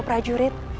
bagaimana kalau prajurit